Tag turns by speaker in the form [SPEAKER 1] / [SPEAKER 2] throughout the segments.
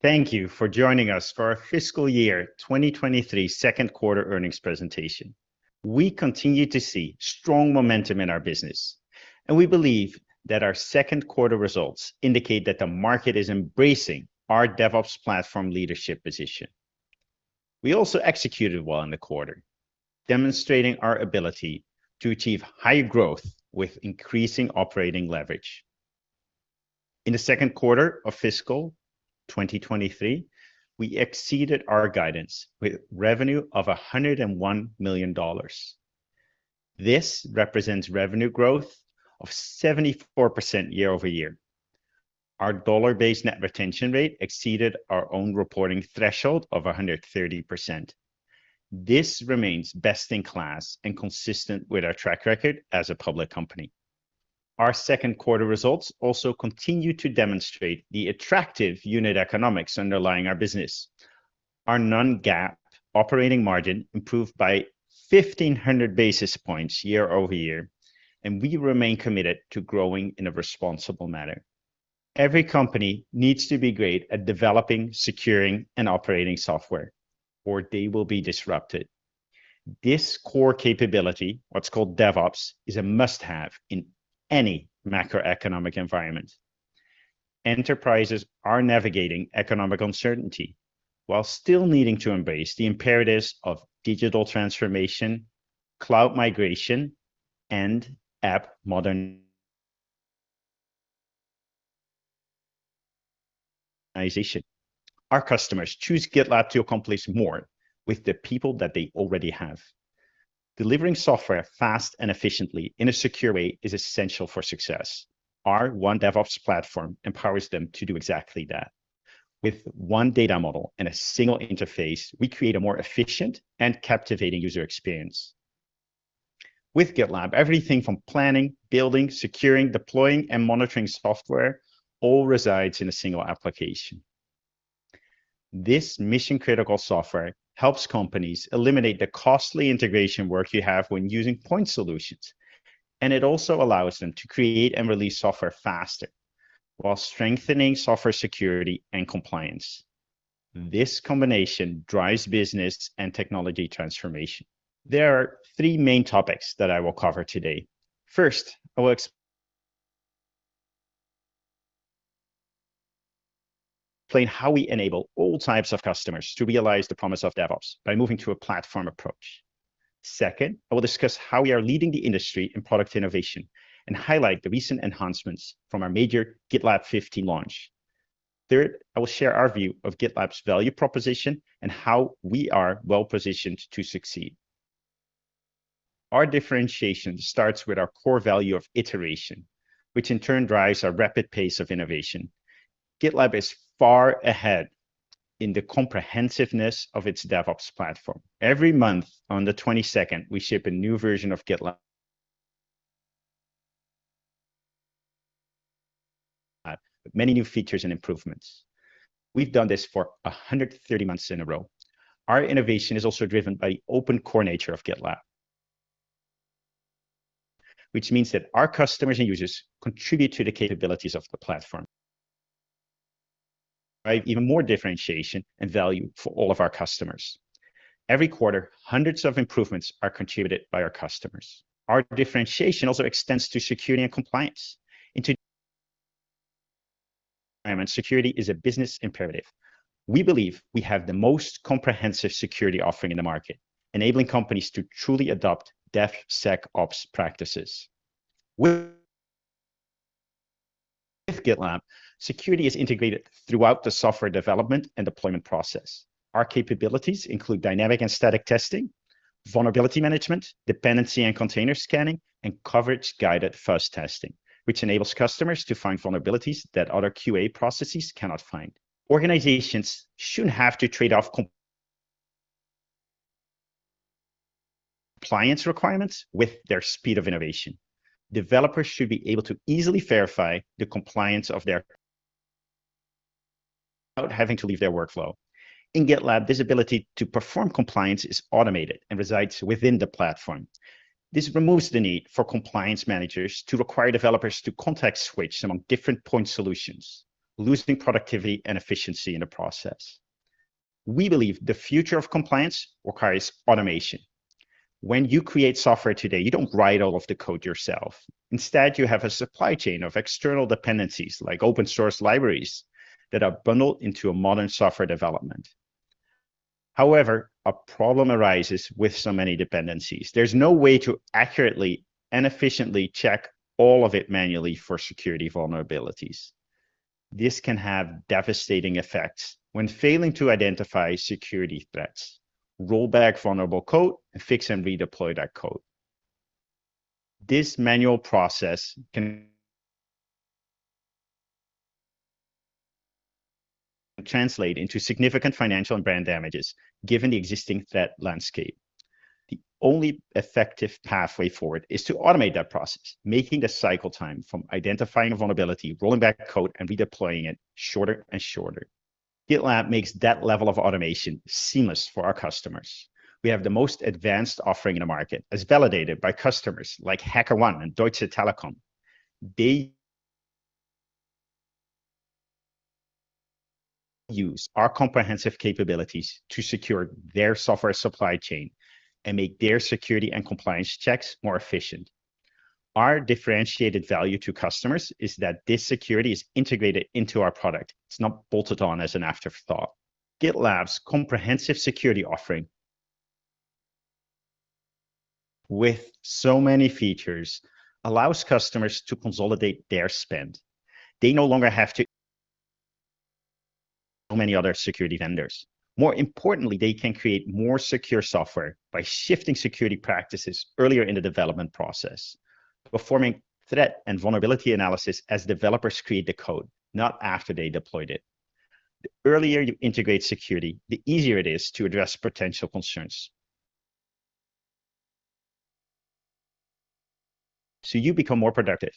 [SPEAKER 1] Thank you for joining us for our Fiscal Year 2023 Second Quarter Earnings Presentation. We continue to see strong momentum in our business, and we believe that our second quarter results indicate that the market is embracing our DevOps platform leadership position. We also executed well in the quarter, demonstrating our ability to achieve high growth with increasing operating leverage. In the second quarter of fiscal 2023, we exceeded our guidance with revenue of $101 million. This represents revenue growth of 74% year-over-year. Our dollar-based net retention rate exceeded our own reporting threshold of 130%. This remains best in class and consistent with our track record as a public company. Our second quarter results also continue to demonstrate the attractive unit economics underlying our business. Our non-GAAP operating margin improved by 1,500 basis points year-over-year, and we remain committed to growing in a responsible manner. Every company needs to be great at developing, securing, and operating software, or they will be disrupted. This core capability, what's called DevOps, is a must-have in any macroeconomic environment. Enterprises are navigating economic uncertainty while still needing to embrace the imperatives of digital transformation, cloud migration, and app modernization. Our customers choose GitLab to accomplish more with the people that they already have. Delivering software fast and efficiently in a secure way is essential for success. Our One DevOps Platform empowers them to do exactly that. With one data model and a single interface, we create a more efficient and captivating user experience. With GitLab, everything from planning, building, securing, deploying, and monitoring software all resides in a single application. This mission-critical software helps companies eliminate the costly integration work you have when using point solutions, and it also allows them to create and release software faster while strengthening software security and compliance. This combination drives business and technology transformation. There are three main topics that I will cover today. First, I will explain how we enable all types of customers to realize the promise of DevOps by moving to a platform approach. Second, I will discuss how we are leading the industry in product innovation and highlight the recent enhancements from our major GitLab 15 launch. Third, I will share our view of GitLab's value proposition and how we are well-positioned to succeed. Our differentiation starts with our core value of iteration, which in turn drives our rapid pace of innovation. GitLab is far ahead in the comprehensiveness of its DevOps platform. Every month on the 22nd, we ship a new version of GitLab with many new features and improvements. We've done this for 130 months in a row. Our innovation is also driven by the open core nature of GitLab, which means that our customers and users contribute to the capabilities of the platform. Provide even more differentiation and value for all of our customers. Every quarter, hundreds of improvements are contributed by our customers. Our differentiation also extends to security and compliance. In today's environment, security is a business imperative. We believe we have the most comprehensive security offering in the market, enabling companies to truly adopt DevSecOps practices. With GitLab, security is integrated throughout the software development and deployment process. Our capabilities include dynamic and static testing, vulnerability management, dependency and container scanning, and coverage-guided fuzz testing, which enables customers to find vulnerabilities that other QA processes cannot find. Organizations shouldn't have to trade off compliance requirements with their speed of innovation. Developers should be able to easily verify the compliance of their without having to leave their workflow. In GitLab, this ability to perform compliance is automated and resides within the platform. This removes the need for compliance managers to require developers to context switch among different point solutions, losing productivity and efficiency in the process. We believe the future of compliance requires automation. When you create software today, you don't write all of the code yourself. Instead, you have a supply chain of external dependencies, like open source libraries that are bundled into a modern software development. However, a problem arises with so many dependencies. There's no way to accurately and efficiently check all of it manually for security vulnerabilities. This can have devastating effects when failing to identify security threats, roll back vulnerable code, and fix and redeploy that code. This manual process can translate into significant financial and brand damages given the existing threat landscape. The only effective pathway forward is to automate that process, making the cycle time from identifying a vulnerability, rolling back code, and redeploying it shorter and shorter. GitLab makes that level of automation seamless for our customers. We have the most advanced offering in the market, as validated by customers like HackerOne and Deutsche Telekom. They use our comprehensive capabilities to secure their software supply chain and make their security and compliance checks more efficient. Our differentiated value to customers is that this security is integrated into our product. It's not bolted on as an afterthought. GitLab's comprehensive security offering with so many features allows customers to consolidate their spend. They no longer have to use so many other security vendors. More importantly, they can create more secure software by shifting security practices earlier in the development process, performing threat and vulnerability analysis as developers create the code, not after they deployed it. The earlier you integrate security, the easier it is to address potential concerns. You become more productive,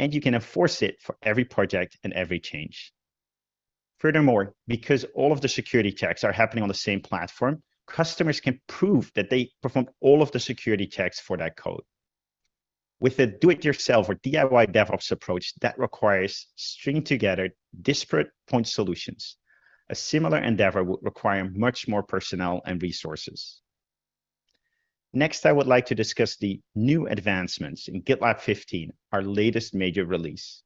[SPEAKER 1] and you can enforce it for every project and every change. Furthermore, because all of the security checks are happening on the same platform, customers can prove that they performed all of the security checks for that code. With a do it yourself or DIY DevOps approach that requires stringing together disparate point solutions, a similar endeavor would require much more personnel and resources. Next, I would like to discuss the new advancements in GitLab 15, our latest major release.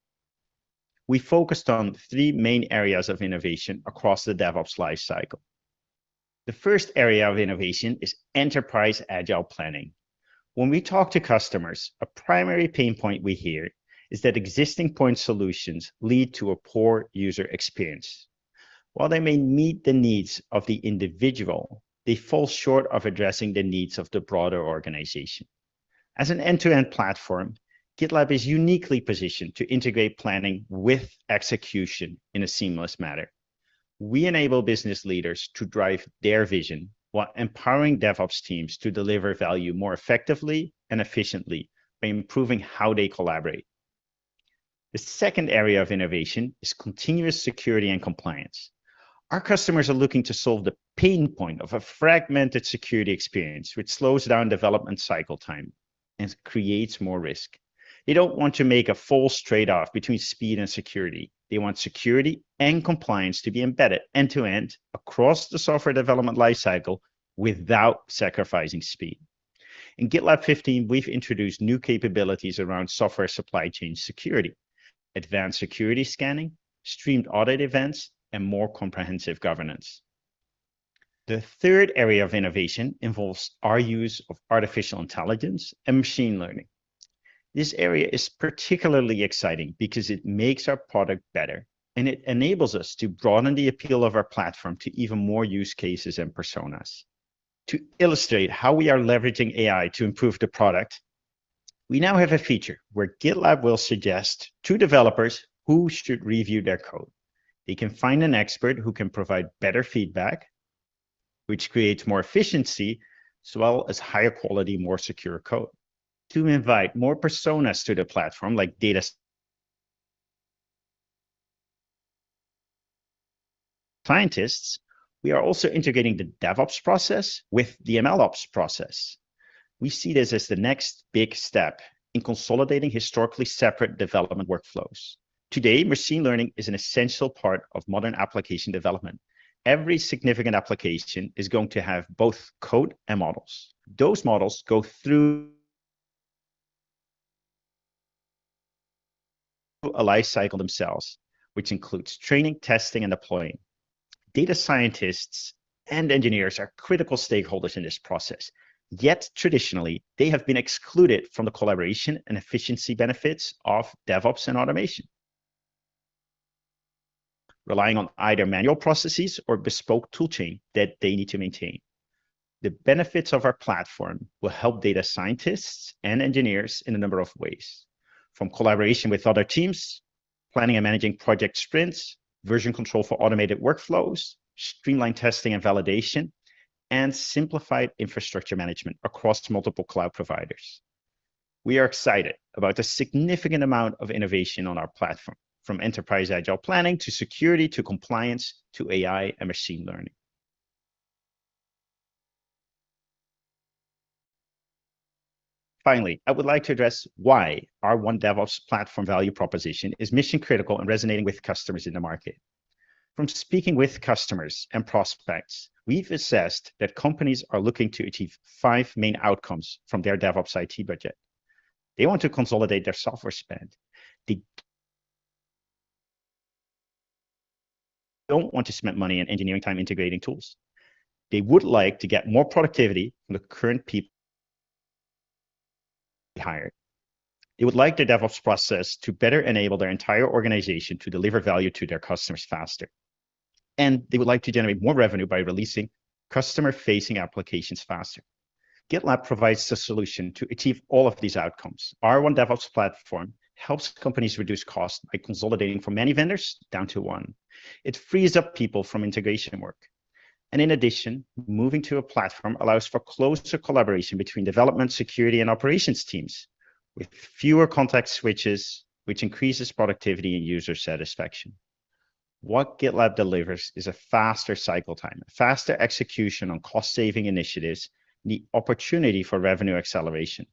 [SPEAKER 1] We focused on three main areas of innovation across the DevOps life cycle. The first area of innovation is enterprise agile planning. When we talk to customers, a primary pain point we hear is that existing point solutions lead to a poor user experience. While they may meet the needs of the individual, they fall short of addressing the needs of the broader organization. As an end-to-end platform, GitLab is uniquely positioned to integrate planning with execution in a seamless manner. We enable business leaders to drive their vision while empowering DevOps teams to deliver value more effectively and efficiently by improving how they collaborate. The second area of innovation is continuous security and compliance. Our customers are looking to solve the pain point of a fragmented security experience, which slows down development cycle time and creates more risk. They don't want to make a false trade-off between speed and security. They want security and compliance to be embedded end-to-end across the software development life cycle without sacrificing speed. In GitLab 15, we've introduced new capabilities around software supply chain security, advanced security scanning, streamed audit events, and more comprehensive governance. The third area of innovation involves our use of artificial intelligence and machine learning. This area is particularly exciting because it makes our product better, and it enables us to broaden the appeal of our platform to even more use cases and personas. To illustrate how we are leveraging AI to improve the product, we now have a feature where GitLab will suggest to developers who should review their code. They can find an expert who can provide better feedback, which creates more efficiency as well as higher quality, more secure code. To invite more personas to the platform like data scientists, we are also integrating the DevOps process with the MLOps process. We see this as the next big step in consolidating historically separate development workflows. Today, machine learning is an essential part of modern application development. Every significant application is going to have both code and models. Those models go through a life cycle themselves, which includes training, testing, and deploying. Data scientists and engineers are critical stakeholders in this process. Yet traditionally, they have been excluded from the collaboration and efficiency benefits of DevOps and automation, relying on either manual processes or bespoke tool chain that they need to maintain. The benefits of our platform will help data scientists and engineers in a number of ways, from collaboration with other teams, planning and managing project sprints, version control for automated workflows, streamlined testing and validation, and simplified infrastructure management across multiple cloud providers. We are excited about the significant amount of innovation on our platform, from enterprise agile planning to security, to compliance, to AI and machine learning. Finally, I would like to address why our one DevOps platform value proposition is mission-critical and resonating with customers in the market. From speaking with customers and prospects, we've assessed that companies are looking to achieve five main outcomes from their DevOps IT budget. They want to consolidate their software spend. They don't want to spend money on engineering time integrating tools. They would like to get more productivity from the current people hired. They would like the DevOps process to better enable their entire organization to deliver value to their customers faster. They would like to generate more revenue by releasing customer-facing applications faster. GitLab provides the solution to achieve all of these outcomes. Our one DevOps platform helps companies reduce costs by consolidating from many vendors down to one. It frees up people from integration work. In addition, moving to a platform allows for closer collaboration between development, security, and operations teams with fewer context switches, which increases productivity and user satisfaction. What GitLab delivers is a faster cycle time, faster execution on cost-saving initiatives, and the opportunity for revenue acceleration.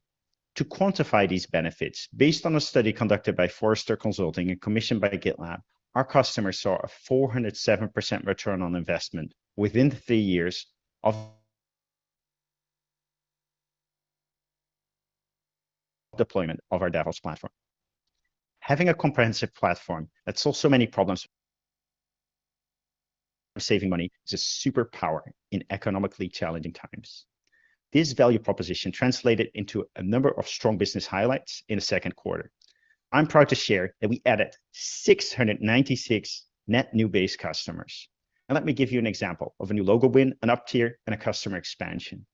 [SPEAKER 1] To quantify these benefits, based on a study conducted by Forrester Consulting and commissioned by GitLab, our customers saw a 407% return on investment within three years of deployment of our DevOps platform. Having a comprehensive platform that solves so many problems, saving money is a superpower in economically challenging times. This value proposition translated into a number of strong business highlights in the second quarter. I'm proud to share that we added 696 net new base customers. Let me give you an example of a new logo win, an up-tier, and a customer expansion.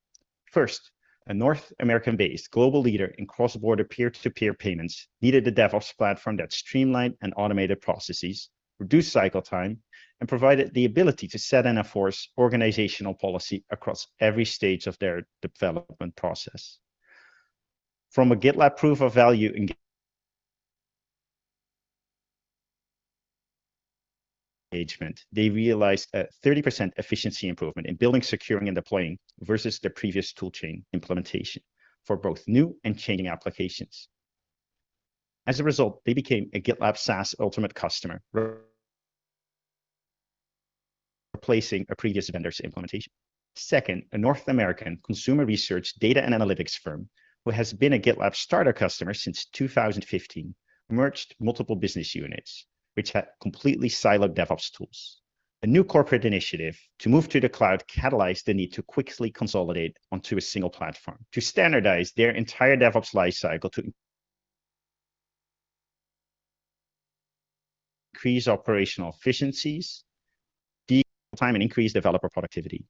[SPEAKER 1] First, a North American-based global leader in cross-border peer-to-peer payments needed a DevOps platform that streamlined and automated processes, reduced cycle time, and provided the ability to set and enforce organizational policy across every stage of their development process. From a GitLab proof of value engagement, they realized a 30% efficiency improvement in building, securing, and deploying versus their previous tool chain implementation for both new and changing applications. As a result, they became a GitLab SaaS Ultimate customer, replacing a previous vendor's implementation. Second, a North American consumer research data and analytics firm, which has been a GitLab Starter customer since 2015, merged multiple business units which had completely siloed DevOps tools. A new corporate initiative to move to the cloud catalyzed the need to quickly consolidate onto a single platform to standardize their entire DevOps lifecycle, to increase operational efficiencies, time, and increase developer productivity.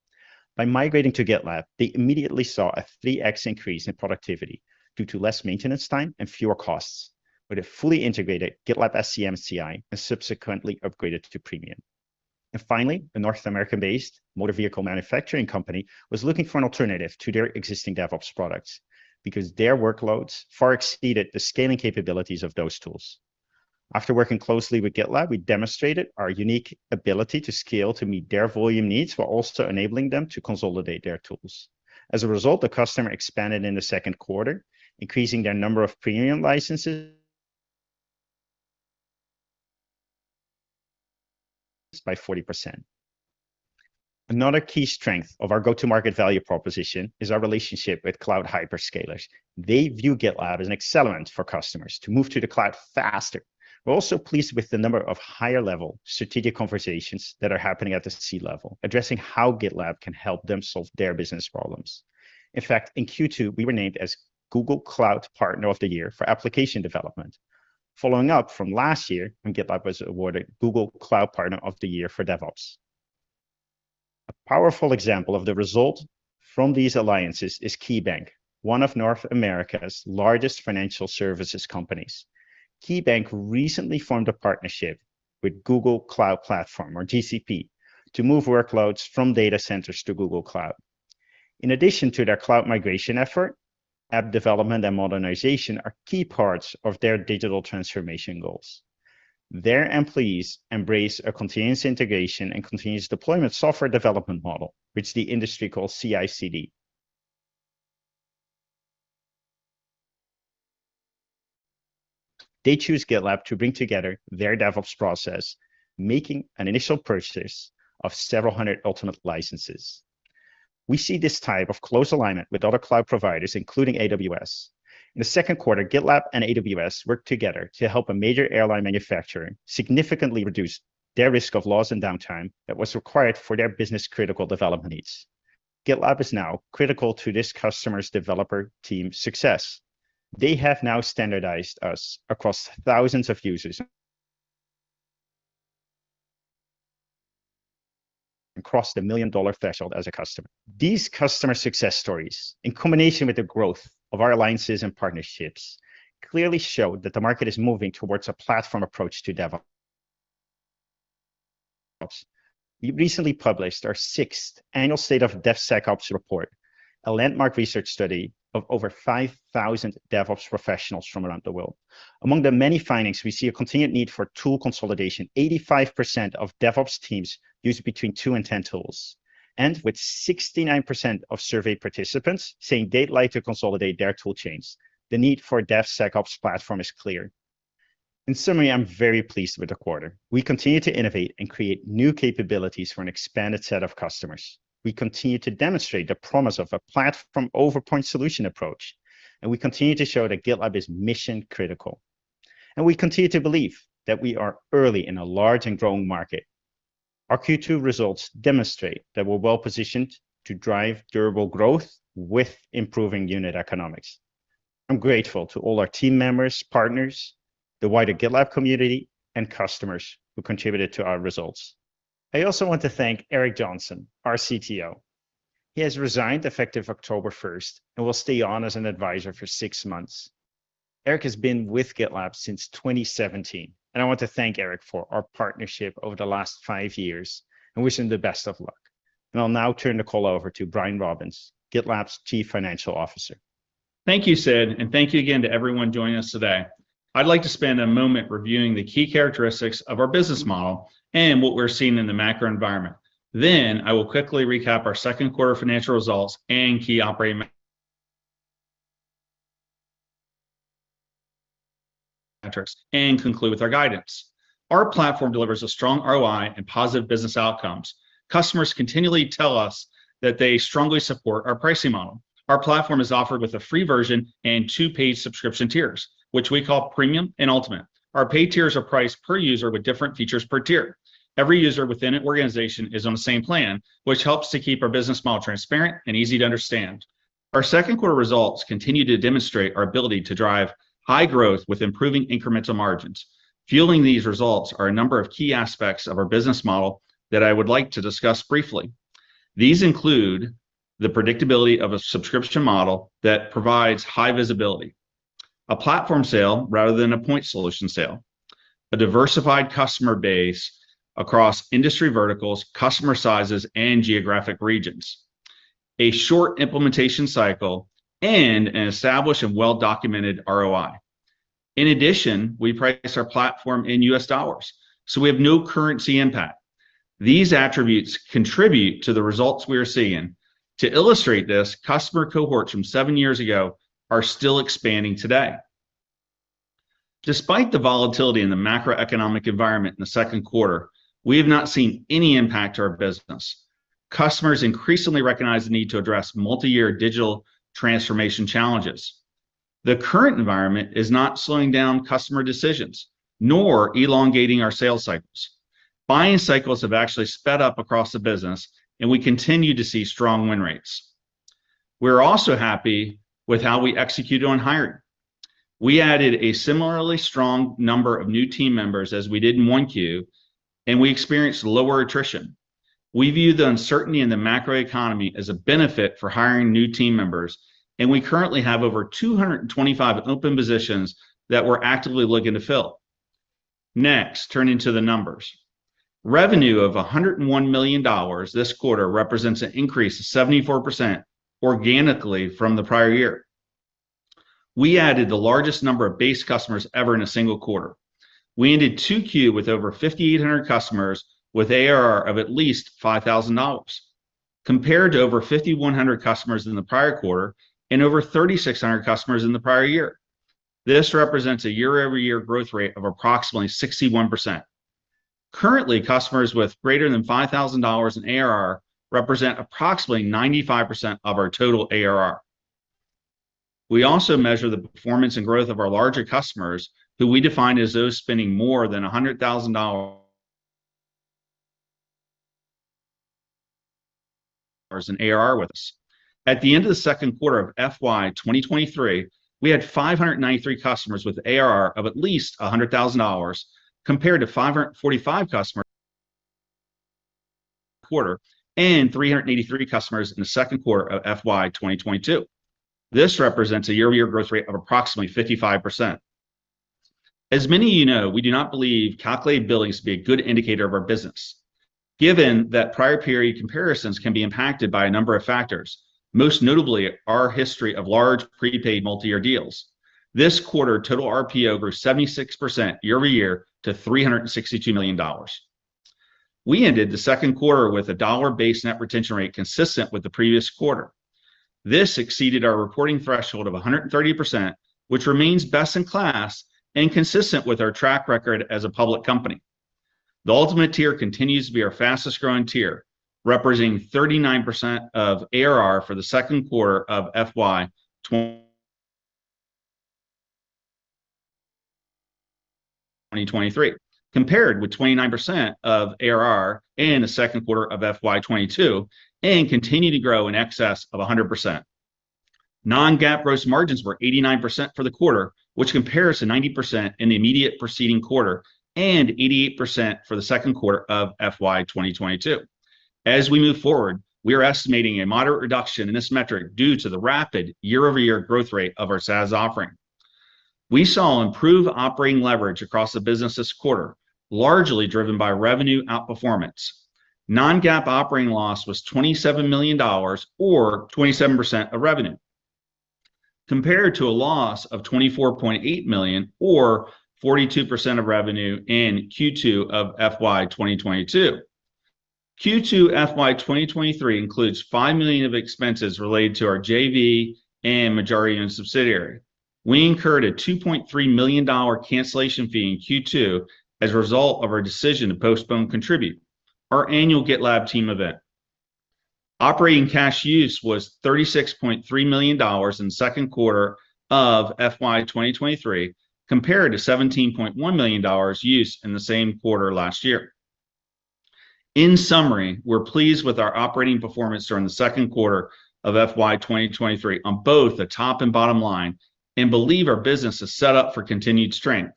[SPEAKER 1] By migrating to GitLab, they immediately saw a 3x increase in productivity due to less maintenance time and fewer costs with a fully integrated GitLab SCM CI and subsequently upgraded to Premium. Finally, a North American-based motor vehicle manufacturing company was looking for an alternative to their existing DevOps products because their workloads far exceeded the scaling capabilities of those tools. After working closely with GitLab, we demonstrated our unique ability to scale to meet their volume needs, while also enabling them to consolidate their tools. As a result, the customer expanded in the second quarter, increasing their number of Premium licenses by 40%. Another key strength of our go-to-market value proposition is our relationship with cloud hyperscalers. They view GitLab as an accelerant for customers to move to the cloud faster. We're also pleased with the number of higher level strategic conversations that are happening at the C-level, addressing how GitLab can help them solve their business problems. In fact, in Q2, we were named as Google Cloud Partner of the Year for application development, following up from last year when GitLab was awarded Google Cloud Partner of the Year for DevOps. A powerful example of the result from these alliances is KeyBank, one of North America's largest financial services companies. KeyBank recently formed a partnership with Google Cloud Platform, or GCP, to move workloads from data centers to Google Cloud. In addition to their cloud migration effort, app development and modernization are key parts of their digital transformation goals. Their employees embrace a continuous integration and continuous deployment software development model, which the industry calls CI/CD. They choose GitLab to bring together their DevOps process, making an initial purchase of several hundred Ultimate licenses. We see this type of close alignment with other cloud providers, including AWS. In the second quarter, GitLab and AWS worked together to help a major airline manufacturer significantly reduce their risk of loss and downtime that was required for their business-critical development needs. GitLab is now critical to this customer's developer team success. They have now standardized us across thousands of users and crossed the million-dollar threshold as a customer. These customer success stories, in combination with the growth of our alliances and partnerships, clearly show that the market is moving towards a platform approach to DevOps. We recently published our sixth annual State of DevSecOps report, a landmark research study of over 5,000 DevOps professionals from around the world. Among the many findings, we see a continued need for tool consolidation. 85% of DevOps teams use between 2 and 10 tools. With 69% of survey participants saying they'd like to consolidate their tool chains, the need for a DevSecOps platform is clear. In summary, I'm very pleased with the quarter. We continue to innovate and create new capabilities for an expanded set of customers. We continue to demonstrate the promise of a platform over point solution approach, and we continue to show that GitLab is mission-critical. We continue to believe that we are early in a large and growing market. Our Q2 results demonstrate that we're well-positioned to drive durable growth with improving unit economics. I'm grateful to all our team members, partners, the wider GitLab community, and customers who contributed to our results. I also want to thank Eric Johnson, our CTO. He has resigned effective October first and will stay on as an advisor for six months. Eric has been with GitLab since 2017, and I want to thank Eric for our partnership over the last five years and wish him the best of luck. I'll now turn the call over to Brian Robins, GitLab's Chief Financial Officer.
[SPEAKER 2] Thank you, Sid, and thank you again to everyone joining us today. I'd like to spend a moment reviewing the key characteristics of our business model and what we're seeing in the macro environment. I will quickly recap our second quarter financial results and key operating metrics and conclude with our guidance. Our platform delivers a strong ROI and positive business outcomes. Customers continually tell us that they strongly support our pricing model. Our platform is offered with a free version and two paid subscription tiers, which we call Premium and Ultimate. Our paid tiers are priced per user with different features per tier. Every user within an organization is on the same plan, which helps to keep our business model transparent and easy to understand. Our second quarter results continue to demonstrate our ability to drive high growth with improving incremental margins. Fueling these results are a number of key aspects of our business model that I would like to discuss briefly. These include the predictability of a subscription model that provides high visibility, a platform sale rather than a point solution sale, a diversified customer base across industry verticals, customer sizes, and geographic regions, a short implementation cycle and an established and well-documented ROI. In addition, we price our platform in U.S. dollars, so we have no currency impact. These attributes contribute to the results we are seeing. To illustrate this, customer cohorts from seven years ago are still expanding today. Despite the volatility in the macroeconomic environment in the second quarter, we have not seen any impact to our business. Customers increasingly recognize the need to address multi-year digital transformation challenges. The current environment is not slowing down customer decisions nor elongating our sales cycles. Buying cycles have actually sped up across the business and we continue to see strong win rates. We're also happy with how we executed on hiring. We added a similarly strong number of new team members as we did in Q1, and we experienced lower attrition. We view the uncertainty in the macroeconomy as a benefit for hiring new team members, and we currently have over 225 open positions that we're actively looking to fill. Next, turning to the numbers. Revenue of $101 million this quarter represents an increase of 74% organically from the prior year. We added the largest number of base customers ever in a single quarter. We ended Q2 with over 5,800 customers with ARR of at least $5,000, compared to over 5,100 customers in the prior quarter and over 3,600 customers in the prior year. This represents a year-over-year growth rate of approximately 61%. Currently, customers with greater than $5,000 in ARR represent approximately 95% of our total ARR. We also measure the performance and growth of our larger customers, who we define as those spending more than $100,000 in ARR with us. At the end of the second quarter of FY 2023, we had 593 customers with ARR of at least $100,000, compared to 545 customers in the prior quarter and 383 customers in the second quarter of FY 2022. This represents a year-over-year growth rate of approximately 55%. As many of you know, we do not believe calculated billings to be a good indicator of our business. Given that prior period comparisons can be impacted by a number of factors, most notably our history of large prepaid multi-year deals. This quarter, total RPO over 76% year-over-year to $362 million. We ended the second quarter with a dollar-based net retention rate consistent with the previous quarter. This exceeded our reporting threshold of 130%, which remains best in class and consistent with our track record as a public company. The Ultimate tier continues to be our fastest-growing tier, representing 39% of ARR for the second quarter of FY 2023, compared with 29% of ARR in the second quarter of FY 2022 and continue to grow in excess of 100%. Non-GAAP gross margins were 89% for the quarter, which compares to 90% in the immediate preceding quarter and 88% for the second quarter of FY 2022. As we move forward, we are estimating a moderate reduction in this metric due to the rapid year-over-year growth rate of our SaaS offering. We saw improved operating leverage across the business this quarter, largely driven by revenue outperformance. Non-GAAP operating loss was $27 million or 27% of revenue, compared to a loss of $24.8 million or 42% of revenue in Q2 of FY 2022. Q2 FY 2023 includes $5 million of expenses related to our JV and majority-owned subsidiary. We incurred a $2.3 million cancellation fee in Q2 as a result of our decision to postpone Contribute, our annual GitLab team event. Operating cash use was $36.3 million in second quarter of FY 2023, compared to $17.1 million used in the same quarter last year. In summary, we're pleased with our operating performance during the second quarter of FY 2023 on both the top and bottom line, and believe our business is set up for continued strength.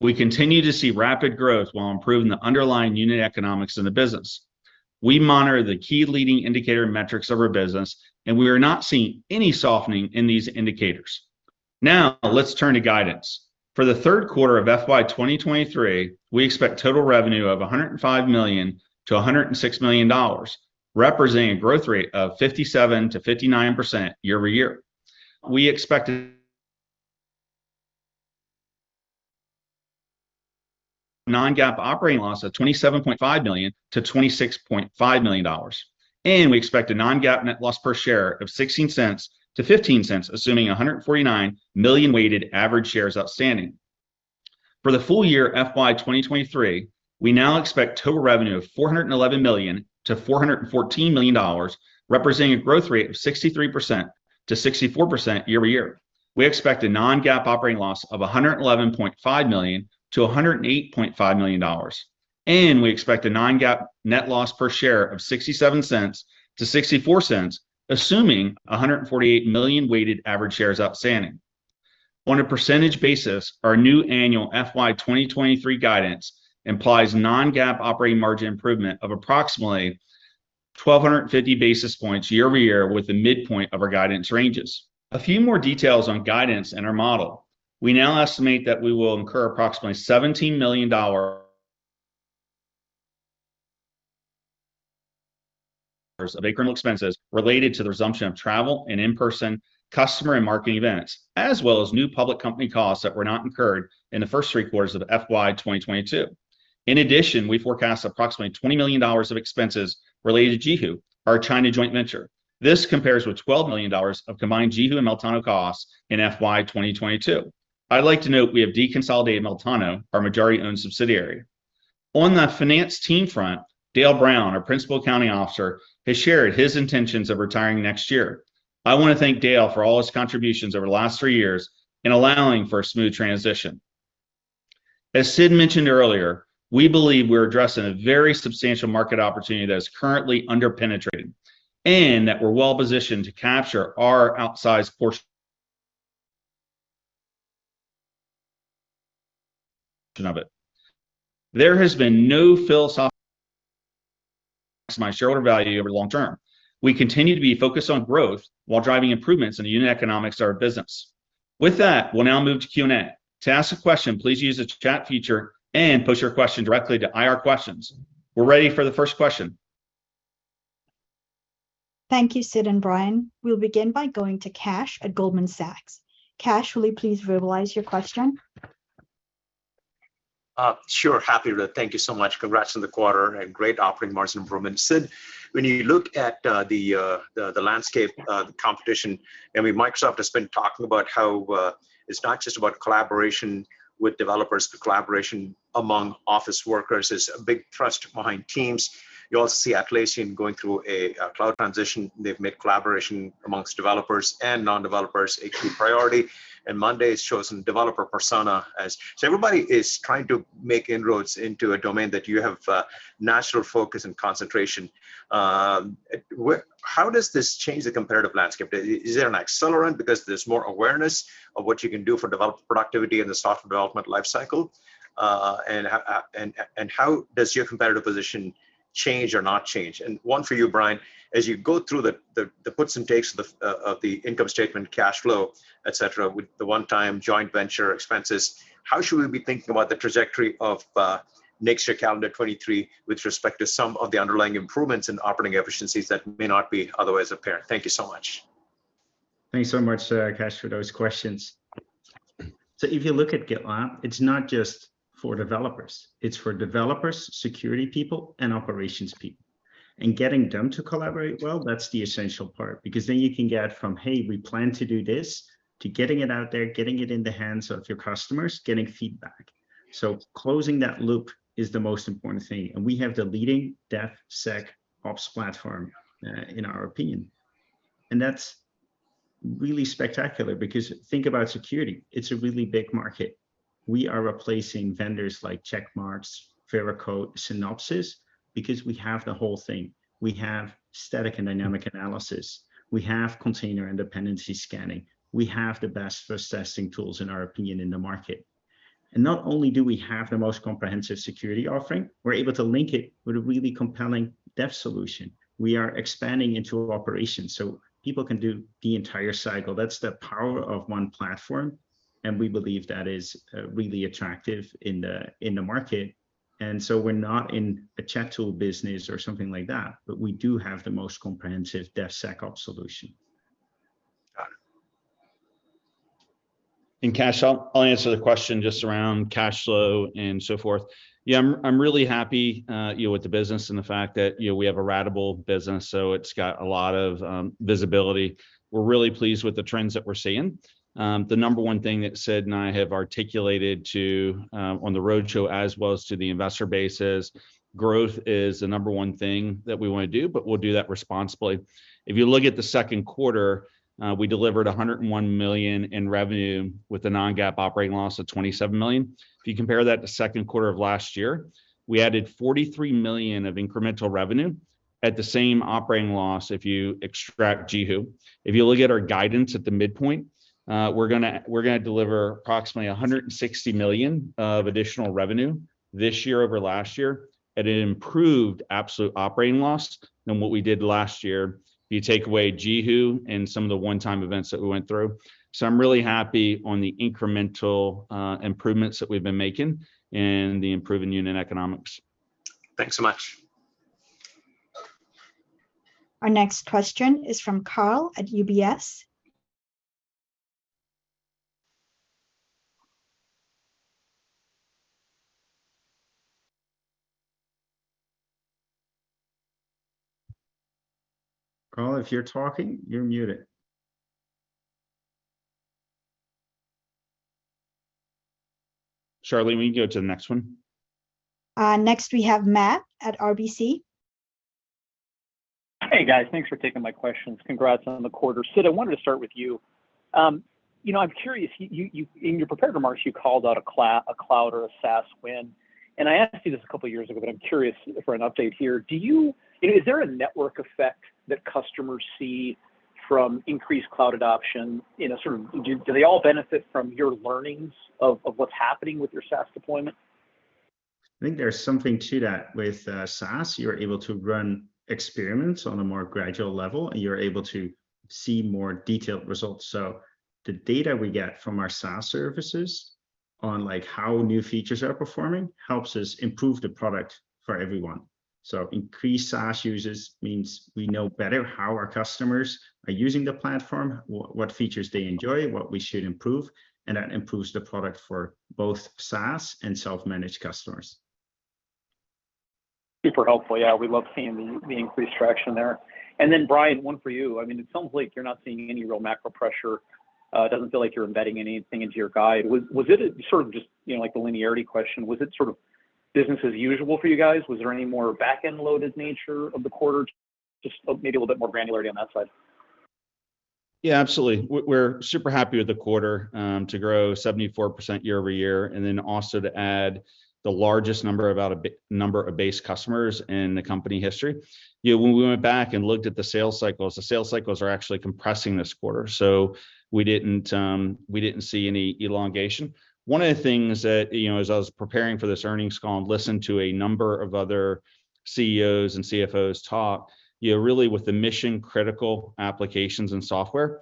[SPEAKER 2] We continue to see rapid growth while improving the underlying unit economics in the business. We monitor the key leading indicator metrics of our business, and we are not seeing any softening in these indicators. Now let's turn to guidance. For the third quarter of FY 2023, we expect total revenue of $105 million-$106 million, representing growth rate of 57%-59% year-over-year. We expect a non-GAAP operating loss of $27.5 million-$26.5 million, and we expect a non-GAAP net loss per share of $0.16-$0.15, assuming 149 million weighted average shares outstanding. For the full year FY 2023, we now expect total revenue of $411 million-$414 million, representing a growth rate of 63%-64% year-over-year. We expect a non-GAAP operating loss of $111.5 million-$108.5 million, and we expect a non-GAAP net loss per share of $0.67-$0.64, assuming 148 million weighted average shares outstanding. On a percentage basis, our new annual FY 2023 guidance implies non-GAAP operating margin improvement of approximately 1,250 basis points year over year with the midpoint of our guidance ranges. A few more details on guidance and our model. We now estimate that we will incur approximately $17 million of incremental expenses related to the resumption of travel and in-person customer and marketing events, as well as new public company costs that were not incurred in the first three quarters of FY 2022. In addition, we forecast approximately $20 million of expenses related to JiHu, our China joint venture. This compares with $12 million of combined JiHu and Meltano costs in FY 2022. I'd like to note we have deconsolidated Meltano, our majority-owned subsidiary. On the finance team front, Dale Brown, our Principal Accounting Officer, has shared his intentions of retiring next year. I want to thank Dale for all his contributions over the last three years in allowing for a smooth transition. As Sid mentioned earlier, we believe we're addressing a very substantial market opportunity that is currently under-penetrated and that we're well-positioned to capture our outsized portion of it. There has been no philosophical change to maximize shareholder value over the long term. We continue to be focused on growth while driving improvements in the unit economics of our business. With that, we'll now move to Q&A. To ask a question, please use the chat feature and post your question directly to IR questions. We're ready for the first question.
[SPEAKER 3] Thank you, Sid and Brian. We'll begin by going to Kash at Goldman Sachs. Kash, will you please verbalize your question?
[SPEAKER 4] Sure. Happy to. Thank you so much. Congrats on the quarter and great operating margin improvement. Sid, when you look at the landscape, the competition, I mean, Microsoft has been talking about how it's not just about collaboration with developers, but collaboration among office workers. There's a big thrust behind Teams. You also see Atlassian going through a cloud transition. They've made collaboration amongst developers and non-developers a key priority. monday.com's chosen developer persona as... Everybody is trying to make inroads into a domain that you have natural focus and concentration. How does this change the competitive landscape? Is there an accelerant because there's more awareness of what you can do for developer productivity and the software development life cycle? And how does your competitive position change or not change? One for you, Brian, as you go through the puts and takes of the income statement, cash flow, et cetera, with the one-time joint venture expenses, how should we be thinking about the trajectory of next year, calendar 2023, with respect to some of the underlying improvements in operating efficiencies that may not be otherwise apparent? Thank you so much.
[SPEAKER 1] Thanks so much, Kash, for those questions. If you look at GitLab, it's not just for developers. It's for developers, security people, and operations people. Getting them to collaborate well, that's the essential part, because then you can get from, "Hey, we plan to do this," to getting it out there, getting it in the hands of your customers, getting feedback. Closing that loop is the most important thing, and we have the leading DevSecOps platform, in our opinion, and that's really spectacular because think about security. It's a really big market. We are replacing vendors like Checkmarx, Veracode, Synopsys, because we have the whole thing. We have static and dynamic analysis. We have container and dependency scanning. We have the best fuzz testing tools, in our opinion, in the market. Not only do we have the most comprehensive security offering, we're able to link it with a really compelling dev solution. We are expanding into operations, so people can do the entire cycle. That's the power of one platform, and we believe that is really attractive in the market. We're not in a chat tool business or something like that, but we do have the most comprehensive DevSecOps solution.
[SPEAKER 4] Got it.
[SPEAKER 2] Kash, I'll answer the question just around cash flow and so forth. Yeah, I'm really happy, you know, with the business and the fact that, you know, we have a ratable business, so it's got a lot of visibility. We're really pleased with the trends that we're seeing. The number one thing that Sid and I have articulated to, on the roadshow as well as to the investor base is growth is the number one thing that we wanna do, but we'll do that responsibly. If you look at the second quarter, we delivered $101 million in revenue with a non-GAAP operating loss of $27 million. If you compare that to second quarter of last year, we added $43 million of incremental revenue. At the same operating loss, if you extract JiHu, if you look at our guidance at the midpoint, we're gonna deliver approximately $160 million of additional revenue this year over last year at an improved absolute operating loss than what we did last year if you take away JiHu and some of the one-time events that we went through. I'm really happy on the incremental improvements that we've been making and the improving unit economics.
[SPEAKER 4] Thanks so much.
[SPEAKER 3] Our next question is from Karl at UBS.
[SPEAKER 2] Karl, if you're talking, you're muted. Sharlene, will you go to the next one?
[SPEAKER 3] Next we have Matt at RBC.
[SPEAKER 5] Hey, guys. Thanks for taking my questions. Congrats on the quarter. Sid, I wanted to start with you. You know, I'm curious, you in your prepared remarks, you called out a cloud or a SaaS win, and I asked you this a couple years ago, but I'm curious for an update here. Is there a network effect that customers see from increased cloud adoption in a sort of. Do they all benefit from your learnings of what's happening with your SaaS deployment?
[SPEAKER 1] I think there's something to that. With SaaS, you're able to run experiments on a more gradual level, and you're able to see more detailed results. The data we get from our SaaS services on, like, how new features are performing helps us improve the product for everyone. Increased SaaS users means we know better how our customers are using the platform, what features they enjoy, what we should improve, and that improves the product for both SaaS and self-managed customers.
[SPEAKER 5] Super helpful. Yeah, we love seeing the increased traction there. Brian, one for you. I mean, it sounds like you're not seeing any real macro pressure. It doesn't feel like you're embedding anything into your guide. Was it a sort of just, you know, like the linearity question, was it sort of business as usual for you guys? Was there any more back-end loaded nature of the quarter? Just maybe a little bit more granularity on that side.
[SPEAKER 2] Yeah, absolutely. We're super happy with the quarter to grow 74% year-over-year, and then also to add the largest number of base customers in the company history. You know, when we went back and looked at the sales cycles, the sales cycles are actually compressing this quarter, so we didn't see any elongation. One of the things that, you know, as I was preparing for this earnings call and listened to a number of other CEOs and CFOs talk, you know, really with the mission-critical applications and software,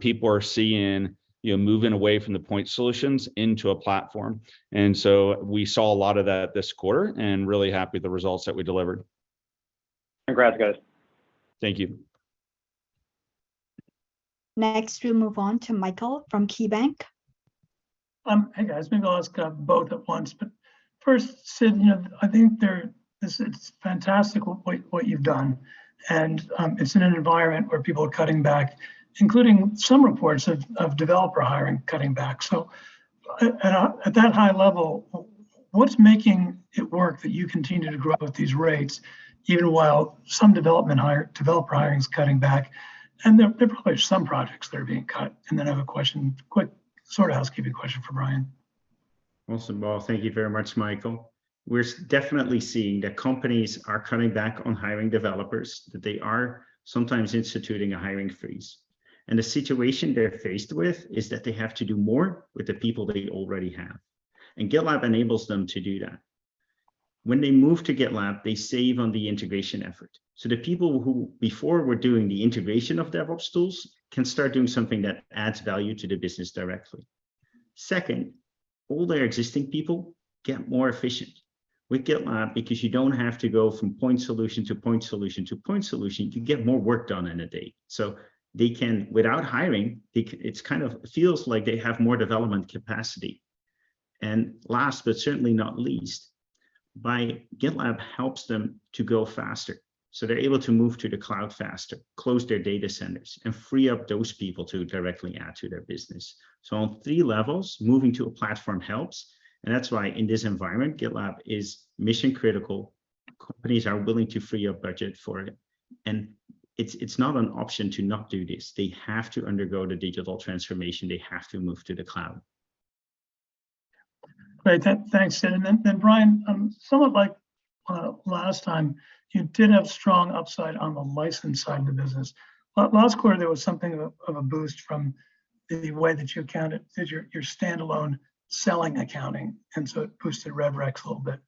[SPEAKER 2] people are seeing, you know, moving away from the point solutions into a platform. We saw a lot of that this quarter and really happy with the results that we delivered.
[SPEAKER 5] Congrats, guys.
[SPEAKER 2] Thank you.
[SPEAKER 3] Next, we'll move on to Michael from KeyBank.
[SPEAKER 6] Hey, guys. Maybe I'll ask both at once, but first, Sid, you know, I think this is fantastic what you've done, and it's in an environment where people are cutting back, including some reports of developer hiring cutting back. And at that high level, what's making it work that you continue to grow at these rates even while some developer hiring is cutting back, and there probably are some projects that are being cut. Then I have a question, quick sort of housekeeping question for Brian.
[SPEAKER 1] Well, thank you very much, Michael. We're definitely seeing that companies are cutting back on hiring developers, that they are sometimes instituting a hiring freeze. The situation they're faced with is that they have to do more with the people they already have, and GitLab enables them to do that. When they move to GitLab, they save on the integration effort, so the people who before were doing the integration of DevOps tools can start doing something that adds value to the business directly. Second, all their existing people get more efficient with GitLab because you don't have to go from point solution to point solution to point solution. You can get more work done in a day. They can, without hiring, it's kind of feels like they have more development capacity. Last, but certainly not least, GitLab helps them to go faster, so they're able to move to the cloud faster, close their data centers, and free up those people to directly add to their business. On three levels, moving to a platform helps, and that's why in this environment, GitLab is mission critical. Companies are willing to free up budget for it, and it's not an option to not do this. They have to undergo the digital transformation. They have to move to the cloud.
[SPEAKER 6] Great. Thanks, Sid. Brian, somewhat like last time, you did have strong upside on the license side of the business. Last quarter, there was something of a boost from the way that you accounted your standalone selling price, and so it boosted rev recs a little bit.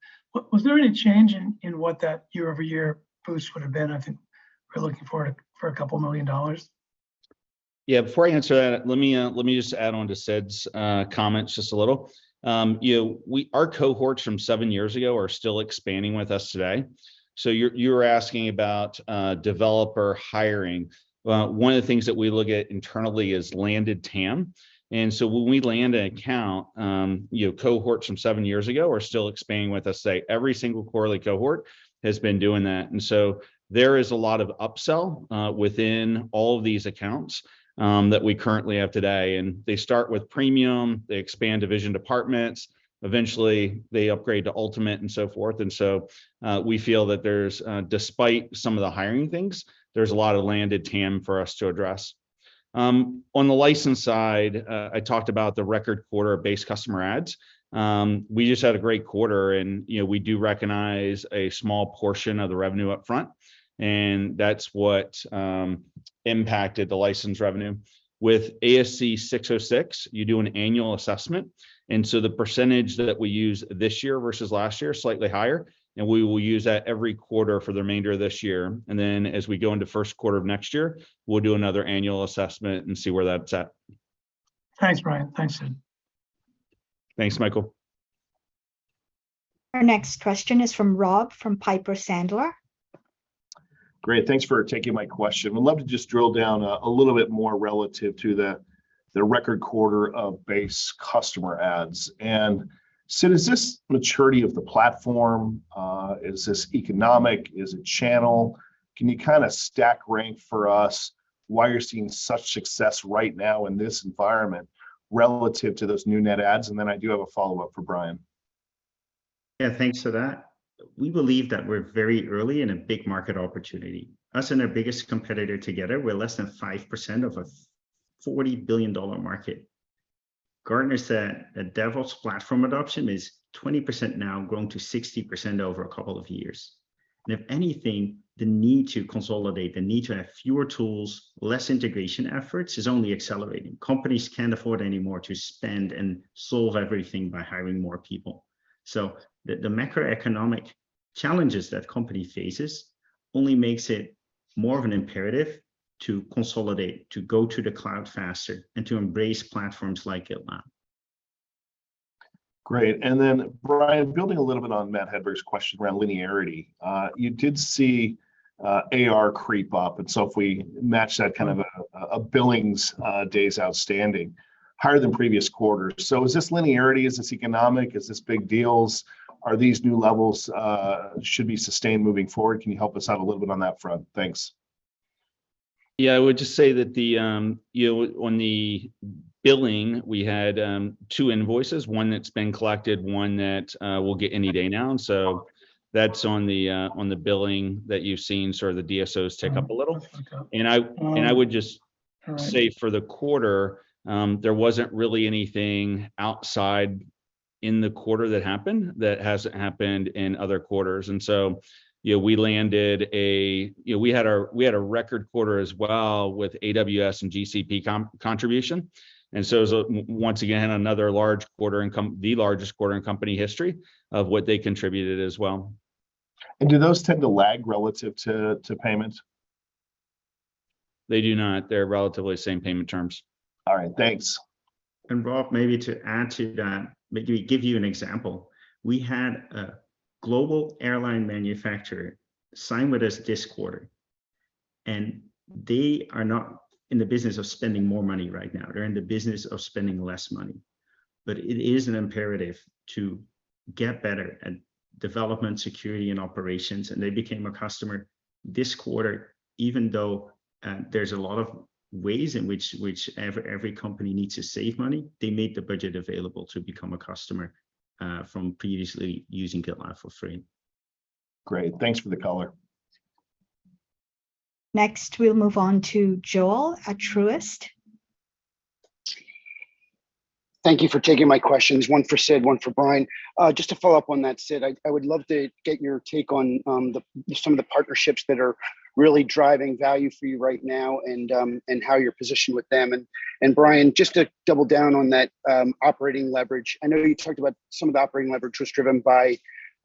[SPEAKER 6] Was there any change in what that year-over-year boost would have been? I think we're looking for $2 million.
[SPEAKER 2] Yeah. Before I answer that, let me just add on to Sid's comments just a little. You know, our cohorts from seven years ago are still expanding with us today, so you were asking about developer hiring. One of the things that we look at internally is landed TAM, and so when we land an account, you know, cohorts from seven years ago are still expanding with us today. Every single quarterly cohort has been doing that. There is a lot of upsell within all of these accounts that we currently have today, and they start with Premium, they expand division departments. Eventually, they upgrade to Ultimate and so forth. We feel that there's, despite some of the hiring things, a lot of landed TAM for us to address. On the license side, I talked about the record quarter of base customer adds. We just had a great quarter, and, you know, we do recognize a small portion of the revenue up front, and that's what impacted the license revenue. With ASC 606, you do an annual assessment, and so the percentage that we use this year versus last year is slightly higher, and we will use that every quarter for the remainder of this year. Then as we go into first quarter of next year, we'll do another annual assessment and see where that's at.
[SPEAKER 6] Thanks, Brian. Thanks, Sid.
[SPEAKER 1] Thanks, Michael.
[SPEAKER 3] Our next question is from Rob from Piper Sandler.
[SPEAKER 7] Great. Thanks for taking my question. Would love to just drill down a little bit more relative to the record quarter of base customer adds. Sid, is this maturity of the platform? Is this economic? Is it channel? Can you kinda stack rank for us why you're seeing such success right now in this environment relative to those new net adds? I do have a follow-up for Brian.
[SPEAKER 1] Yeah. Thanks for that. We believe that we're very early in a big market opportunity. Us and our biggest competitor together, we're less than 5% of a $40 billion market. Gartner said that DevOps platform adoption is 20% now, growing to 60% over a couple of years. If anything, the need to consolidate, the need to have fewer tools, less integration efforts, is only accelerating. Companies can't afford anymore to spend and solve everything by hiring more people. The macroeconomic challenges that company faces only makes it more of an imperative to consolidate, to go to the cloud faster, and to embrace platforms like GitLab.
[SPEAKER 7] Great. Brian, building a little bit on Matt Hedberg's question around linearity, you did see, AR creep up, and so if we match that kind of a billings days outstanding, higher than previous quarters. Is this linearity? Is this economic? Is this big deals? Are these new levels should be sustained moving forward? Can you help us out a little bit on that front? Thanks.
[SPEAKER 2] Yeah. I would just say that, you know, on the billing, we had two invoices, one that's been collected, one that we'll get any day now. That's on the billing that you've seen sort of the DSOs tick up a little.
[SPEAKER 7] Okay.
[SPEAKER 2] And I-
[SPEAKER 7] Um-
[SPEAKER 2] I would just.
[SPEAKER 7] All right.
[SPEAKER 2] As for the quarter, there wasn't really anything outsize in the quarter that happened that hasn't happened in other quarters. You know, we had a record quarter as well with AWS and GCP contribution. Once again, another large quarter, the largest quarter in company history of what they contributed as well.
[SPEAKER 7] Do those tend to lag relative to payments?
[SPEAKER 2] They do not. They're relatively the same payment terms.
[SPEAKER 7] All right, thanks.
[SPEAKER 1] Rob, maybe to add to that, maybe give you an example. We had a global airline manufacturer sign with us this quarter, and they are not in the business of spending more money right now. They're in the business of spending less money. It is an imperative to get better at development, security, and operations, and they became a customer this quarter even though there's a lot of ways in which every company needs to save money. They made the budget available to become a customer from previously using GitLab for free.
[SPEAKER 7] Great. Thanks for the color.
[SPEAKER 3] Next, we'll move on to Joel at Truist.
[SPEAKER 8] Thank you for taking my questions, one for Sid, one for Brian. Just to follow up on that, Sid, I would love to get your take on some of the partnerships that are really driving value for you right now and how you're positioned with them. Brian, just to double down on that, operating leverage, I know you talked about some of the operating leverage was driven by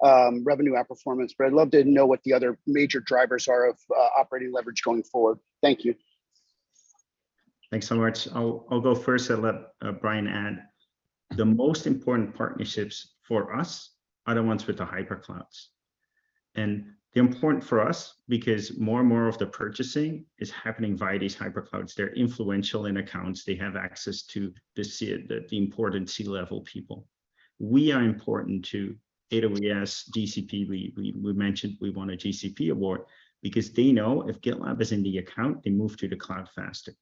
[SPEAKER 8] revenue outperformance, but I'd love to know what the other major drivers are of operating leverage going forward. Thank you.
[SPEAKER 1] Thanks so much. I'll go first and let Brian add. The most important partnerships for us are the ones with the hyper clouds. They're important for us because more and more of the purchasing is happening via these hyper clouds. They're influential in accounts. They have access to the important C-level people. We are important to AWS, GCP. We mentioned we won a GCP award, because they know if GitLab is in the account, they move to the cloud faster.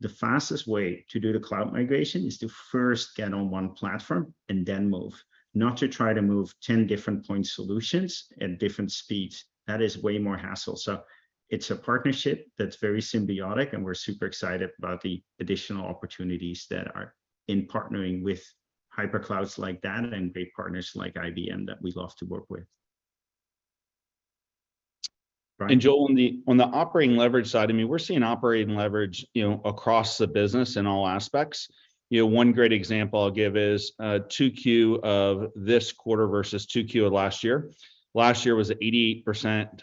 [SPEAKER 1] The fastest way to do the cloud migration is to first get on one platform and then move, not to try to move 10 different point solutions at different speeds. That is way more hassle. It's a partnership that's very symbiotic, and we're super excited about the additional opportunities that are in partnering with hyperscalers like that and great partners like IBM that we love to work with. Brian?
[SPEAKER 2] Joel, on the operating leverage side, I mean, we're seeing operating leverage, you know, across the business in all aspects. You know, one great example I'll give is 2Q of this quarter versus 2Q of last year. Last year was 88%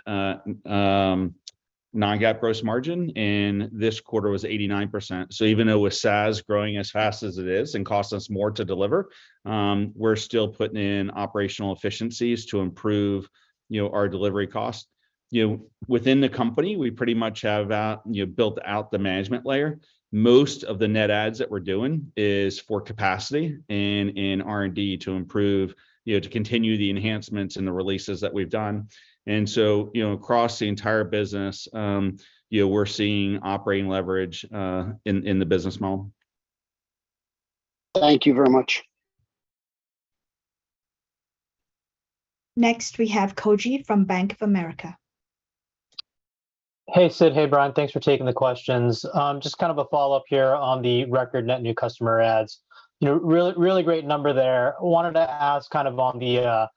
[SPEAKER 2] non-GAAP gross margin, and this quarter was 89%. So even though with SaaS growing as fast as it is and costs us more to deliver, we're still putting in operational efficiencies to improve, you know, our delivery cost. You know, within the company, we pretty much have out, you know, built out the management layer. Most of the net adds that we're doing is for capacity and in R&D to improve, you know, to continue the enhancements and the releases that we've done. You know, across the entire business, you know, we're seeing operating leverage in the business model.
[SPEAKER 8] Thank you very much.
[SPEAKER 3] Next, we have Koji from Bank of America.
[SPEAKER 9] Hey, Sid. Hey, Brian. Thanks for taking the questions. Just kind of a follow-up here on the record net new customer adds. You know, really, really great number there. Wanted to ask kind of on the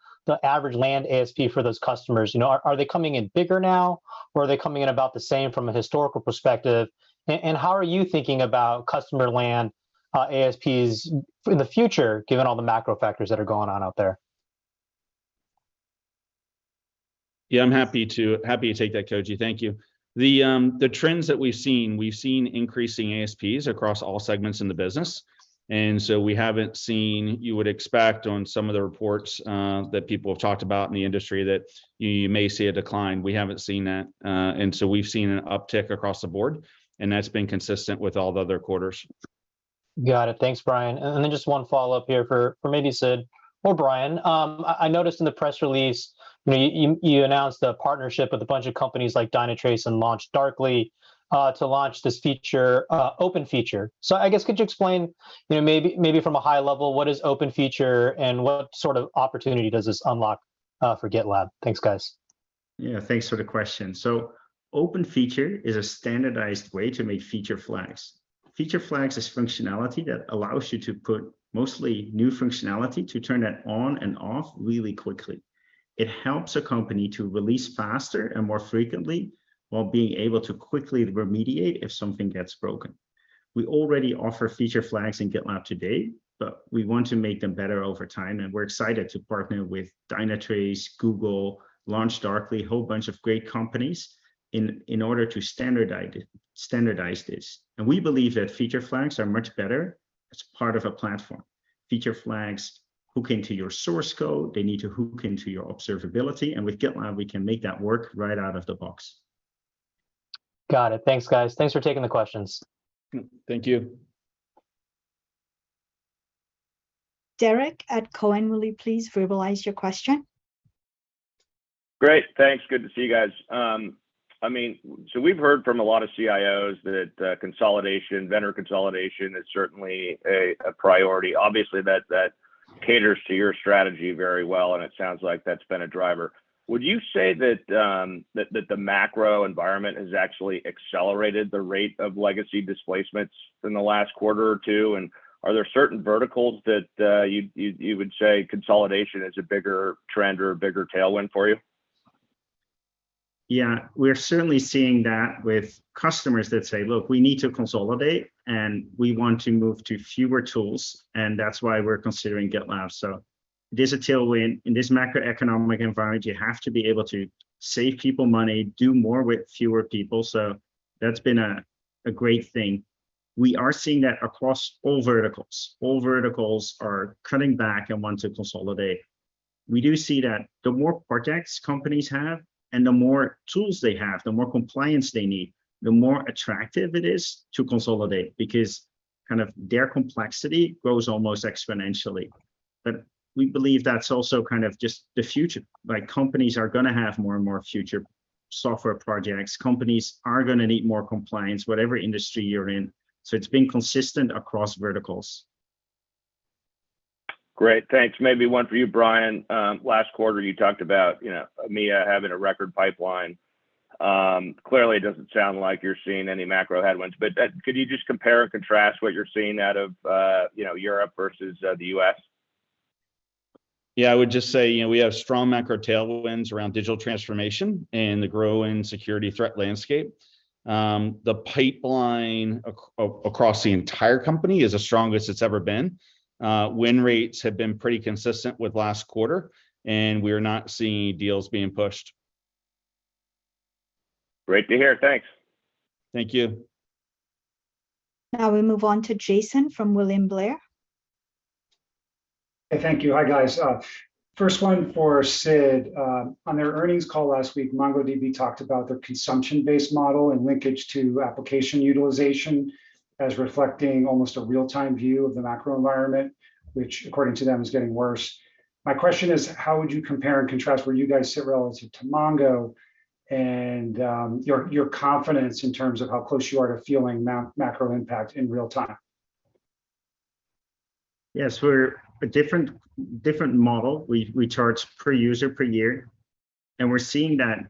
[SPEAKER 9] average land ASP for those customers. You know, are they coming in bigger now, or are they coming in about the same from a historical perspective? And how are you thinking about customer land ASPs in the future given all the macro factors that are going on out there?
[SPEAKER 2] Yeah, I'm happy to take that, Koji. Thank you. The trends that we've seen increasing ASPs across all segments in the business. You would expect on some of the reports that people have talked about in the industry that you may see a decline. We haven't seen that. We've seen an uptick across the board, and that's been consistent with all the other quarters.
[SPEAKER 9] Got it. Thanks, Brian. Just one follow-up here for, maybe Sid or Brian. I noticed in the press release when you announced a partnership with a bunch of companies like Dynatrace and LaunchDarkly, to launch this feature, OpenFeature. I guess could you explain, you know, maybe from a high level, what is OpenFeature and what sort of opportunity does this unlock, for GitLab? Thanks, guys.
[SPEAKER 1] Yeah. Thanks for the question. OpenFeature is a standardized way to make feature flags. Feature flags is functionality that allows you to put mostly new functionality to turn that on and off really quickly. It helps a company to release faster and more frequently while being able to quickly remediate if something gets broken. We already offer feature flags in GitLab today, but we want to make them better over time, and we're excited to partner with Dynatrace, Google, LaunchDarkly, whole bunch of great companies in order to standardize this. We believe that feature flags are much better as part of a platform. Feature flags hook into your source code, they need to hook into your observability, and with GitLab, we can make that work right out of the box.
[SPEAKER 9] Got it. Thanks, guys. Thanks for taking the questions.
[SPEAKER 2] Thank you.
[SPEAKER 3] Derrick at Cowen, will you please verbalize your question?
[SPEAKER 10] Great. Thanks. Good to see you guys. I mean, so we've heard from a lot of CIOs that consolidation, vendor consolidation is certainly a priority. Obviously, that caters to your strategy very well, and it sounds like that's been a driver. Would you say that the macro environment has actually accelerated the rate of legacy displacements in the last quarter or two? Are there certain verticals that you would say consolidation is a bigger trend or a bigger tailwind for you?
[SPEAKER 1] Yeah. We're certainly seeing that with customers that say, "Look, we need to consolidate, and we want to move to fewer tools, and that's why we're considering GitLab." There's a tailwind. In this macroeconomic environment, you have to be able to save people money, do more with fewer people, so that's been a great thing. We are seeing that across all verticals. All verticals are cutting back and want to consolidate. We do see that the more projects companies have and the more tools they have, the more compliance they need, the more attractive it is to consolidate because kind of their complexity grows almost exponentially. We believe that's also kind of just the future, like, companies are gonna have more and more future software projects. Companies are gonna need more compliance, whatever industry you're in. It's been consistent across verticals.
[SPEAKER 10] Great. Thanks. Maybe one for you, Brian. Last quarter, you talked about, you know, EMEA having a record pipeline. Clearly it doesn't sound like you're seeing any macro headwinds. Could you just compare or contrast what you're seeing out of, you know, Europe versus the U.S.?
[SPEAKER 2] Yeah. I would just say, you know, we have strong macro tailwinds around digital transformation and the growing security threat landscape. The pipeline across the entire company is the strongest it's ever been. Win rates have been pretty consistent with last quarter, and we're not seeing any deals being pushed.
[SPEAKER 10] Great to hear. Thanks.
[SPEAKER 2] Thank you.
[SPEAKER 3] Now we move on to Jason from William Blair.
[SPEAKER 11] Hey. Thank you. Hi, guys. First one for Sid. On their earnings call last week, MongoDB talked about their consumption-based model and linkage to application utilization as reflecting almost a real-time view of the macro environment, which according to them is getting worse. My question is, how would you compare and contrast where you guys sit relative to Mongo and your confidence in terms of how close you are to feeling macro impact in real time?
[SPEAKER 1] Yes. We're a different model. We charge per user, per year, and we're seeing that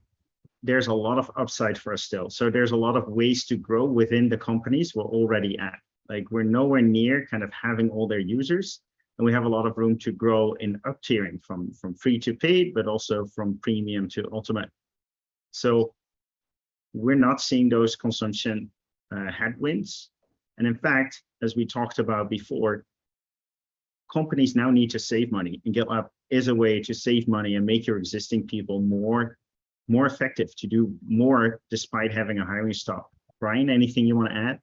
[SPEAKER 1] there's a lot of upside for us still. There's a lot of ways to grow within the companies we're already at. Like, we're nowhere near kind of having all their users, and we have a lot of room to grow in up tiering from free to paid, but also from Premium to Ultimate. We're not seeing those consumption headwinds. In fact, as we talked about before, companies now need to save money, and GitLab is a way to save money and make your existing people more effective to do more despite having a hiring stop. Brian, anything you wanna add?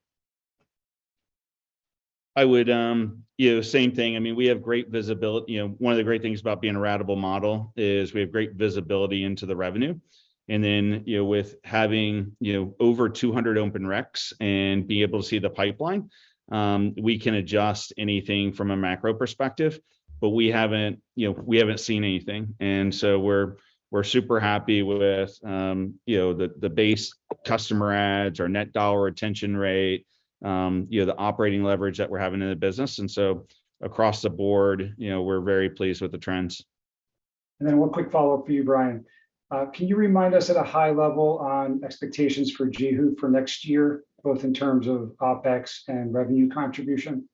[SPEAKER 2] Yeah, same thing. I mean, we have great visibility. You know, one of the great things about being a ratable model is we have great visibility into the revenue. You know, with having, you know, over 200 open recs and being able to see the pipeline, we can adjust anything from a macro perspective, but we haven't, you know, we haven't seen anything. We're super happy with, you know, the base customer adds or net dollar retention rate, you know, the operating leverage that we're having in the business. Across the board, you know, we're very pleased with the trends.
[SPEAKER 11] One quick follow-up for you, Brian. Can you remind us at a high level on expectations for JiHu for next year, both in terms of OpEx and revenue contribution?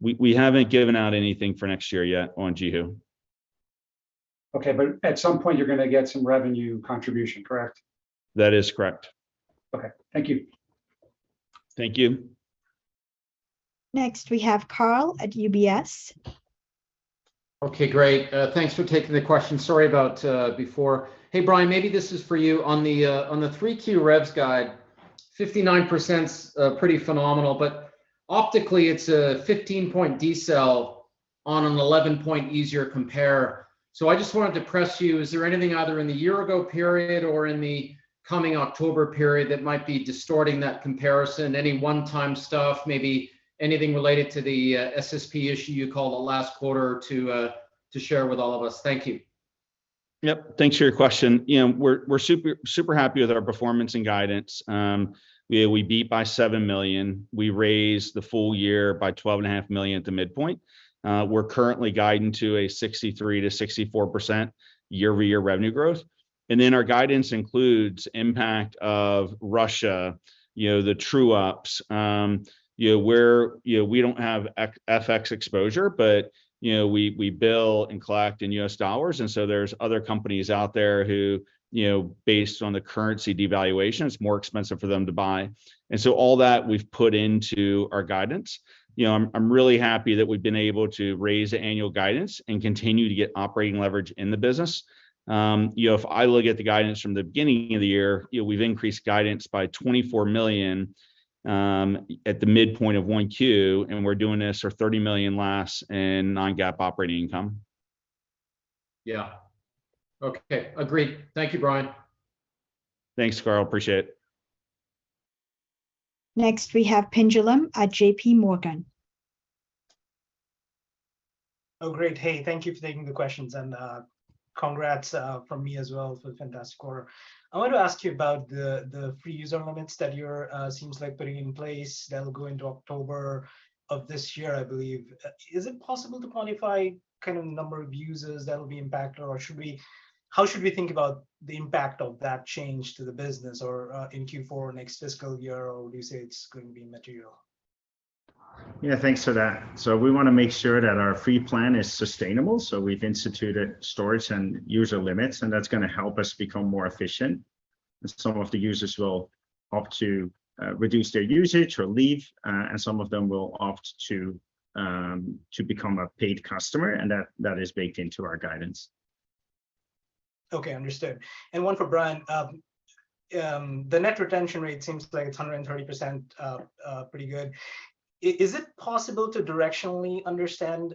[SPEAKER 2] We haven't given out anything for next year yet on JiHu.
[SPEAKER 11] Okay. At some point you're gonna get some revenue contribution, correct?
[SPEAKER 2] That is correct.
[SPEAKER 11] Okay. Thank you.
[SPEAKER 2] Thank you.
[SPEAKER 3] Next we have Karl at UBS.
[SPEAKER 12] Okay, great. Thanks for taking the question. Sorry about before. Hey Brian, maybe this is for you. On the 3Q revs guide, 59% is pretty phenomenal, but optically it's a 15-point decel on an 11-point easier compare. I just wanna address you. Is there anything either in the year ago period or in the coming October period that might be distorting that comparison? Any one-time stuff, maybe anything related to the SSP issue you called out last quarter to share with all of us? Thank you.
[SPEAKER 2] Yep. Thanks for your question. You know, we're super happy with our performance and guidance. We beat by $7 million. We raised the full year by 12 and a half million at the midpoint. We're currently guiding to 63%-64% year-over-year revenue growth, and our guidance includes impact of Russia, you know, the true-ups. You know, we don't have ex-FX exposure, but you know, we bill and collect in US dollars, and so there's other companies out there who, you know, based on the currency devaluation, it's more expensive for them to buy. All that we've put into our guidance. You know, I'm really happy that we've been able to raise the annual guidance and continue to get operating leverage in the business. You know, if I look at the guidance from the beginning of the year, you know, we've increased guidance by $24 million at the midpoint of Q1, and we're doing this for $30 million less in non-GAAP operating income.
[SPEAKER 12] Yeah. Okay. Agreed. Thank you, Brian.
[SPEAKER 2] Thanks, Karl. Appreciate it.
[SPEAKER 3] Next we have Pinjalim Bora at J.P. Morgan.
[SPEAKER 13] Oh, great. Hey, thank you for taking the questions, and congrats from me as well for fantastic quarter. I want to ask you about the free user limits that you're putting in place that'll go into October of this year, I believe. Is it possible to quantify kind of the number of users that'll be impacted, or how should we think about the impact of that change to the business or in Q4 next fiscal year, or would you say it's gonna be material?
[SPEAKER 1] Yeah, thanks for that. We wanna make sure that our free plan is sustainable, so we've instituted storage and user limits, and that's gonna help us become more efficient. Some of the users will opt to reduce their usage or leave, and some of them will opt to become a paid customer, and that is baked into our guidance.
[SPEAKER 13] Okay. Understood. One for Brian. The net retention rate seems like it's 130%, pretty good. Is it possible to directionally understand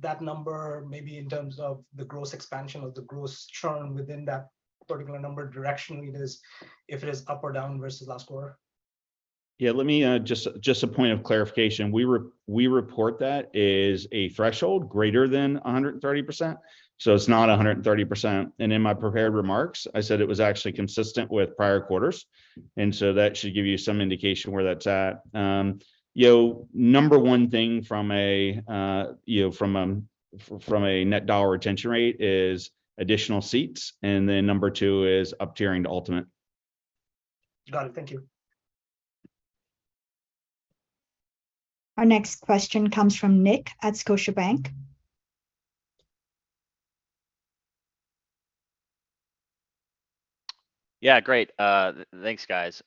[SPEAKER 13] that number maybe in terms of the gross expansion or the gross churn within that particular number? Directionally, is it up or down versus last quarter?
[SPEAKER 2] Yeah. Let me just a point of clarification. We report that as a threshold greater than 130%, so it's not 130%. In my prepared remarks, I said it was actually consistent with prior quarters, and so that should give you some indication where that's at. You know, number one thing from a net dollar retention rate is additional seats, and then number two is uptiering to Ultimate.
[SPEAKER 13] Got it. Thank you.
[SPEAKER 3] Our next question comes from Nick at Scotiabank.
[SPEAKER 14] Yeah, great. Thanks, guys.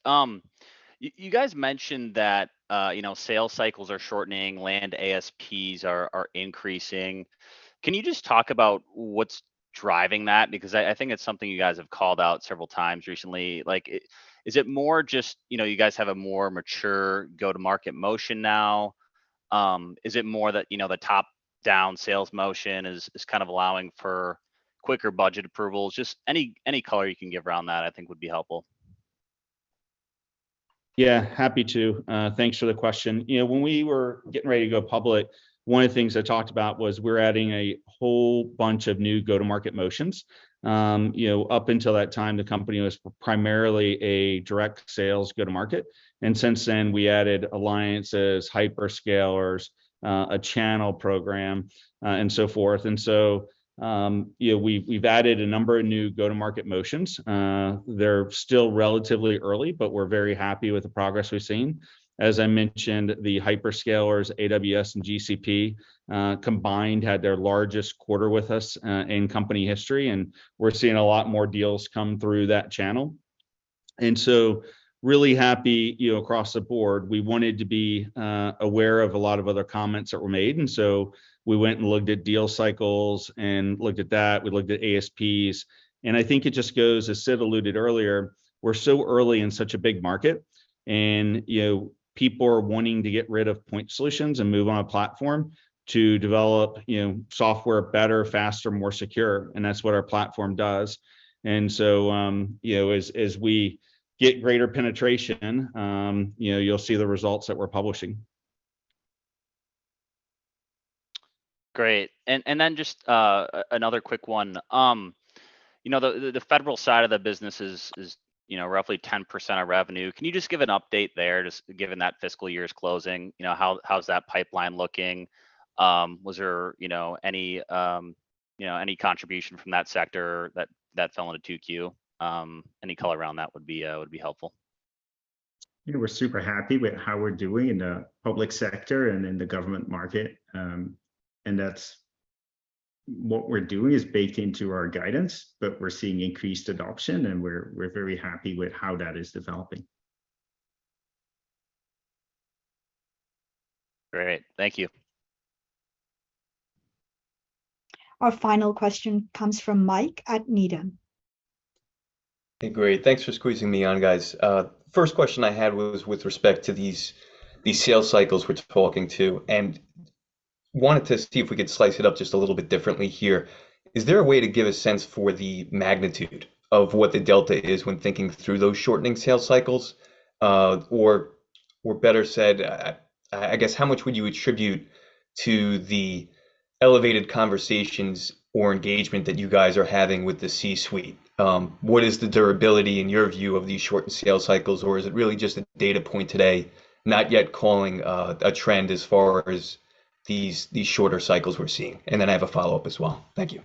[SPEAKER 14] You guys mentioned that, you know, sales cycles are shortening, land ASPs are increasing. Can you just talk about what's driving that? Because I think it's something you guys have called out several times recently. Like, is it more just, you know, you guys have a more mature go-to-market motion now? Is it more that, you know, the top-down sales motion is kind of allowing for quicker budget approvals? Just any color you can give around that I think would be helpful.
[SPEAKER 2] Yeah, happy to. Thanks for the question. You know, when we were getting ready to go public, one of the things I talked about was we're adding a whole bunch of new go-to-market motions. You know, up until that time, the company was primarily a direct sales go-to-market, and since then we added alliances, hyperscalers, a channel program, and so forth. You know, we've added a number of new go-to-market motions. They're still relatively early, but we're very happy with the progress we've seen. As I mentioned, the hyperscalers, AWS and GCP, combined, had their largest quarter with us in company history, and we're seeing a lot more deals come through that channel. Really happy, you know, across the board. We wanted to be aware of a lot of other comments that were made, and so we went and looked at deal cycles and looked at that. We looked at ASPs, and I think it just goes, as Sid alluded earlier, we're so early in such a big market and, you know, people are wanting to get rid of point solutions and move on a platform to develop, you know, software better, faster, more secure, and that's what our platform does. You know, as we get greater penetration, you know, you'll see the results that we're publishing.
[SPEAKER 14] Just another quick one. You know, the federal side of the business is roughly 10% of revenue. Can you just give an update there, just given that fiscal year is closing? You know, how's that pipeline looking? Was there, you know, any, you know, any contribution from that sector that fell into 2Q? Any color around that would be helpful.
[SPEAKER 1] You know, we're super happy with how we're doing in the public sector and in the government market. What we're doing is baked into our guidance, but we're seeing increased adoption, and we're very happy with how that is developing.
[SPEAKER 3] Great. Thank you. Our final question comes from Mike at Needham.
[SPEAKER 15] Okay, great. Thanks for squeezing me in, guys. First question I had was with respect to these sales cycles we're talking about, and wanted to see if we could slice it up just a little bit differently here. Is there a way to give a sense for the magnitude of what the delta is when thinking through those shortening sales cycles? Or, better said, I guess how much would you attribute to the elevated conversations or engagement that you guys are having with the C-suite? What is the durability in your view of these shortened sales cycles, or is it really just a data point today, not yet calling a trend as far as these shorter cycles we're seeing? I have a follow-up as well. Thank you.